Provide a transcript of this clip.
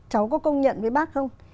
cháu có công nhận với bác không